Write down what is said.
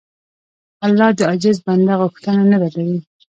الله د عاجز بنده غوښتنه نه ردوي.